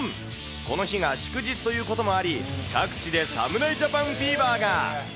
この日が祝日ということもあり、各地で侍ジャパンフィーバーが。